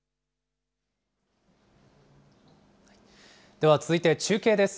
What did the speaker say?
では続いて、中継です。